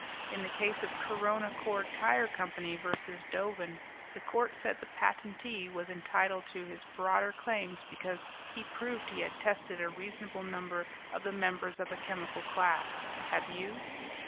In the case of Corona Cord Tire Company v. Dovan, the court said the patentee was entitled to his broader claims because he proved he had tested a reasonable number of the members of a chemical class. Have you?"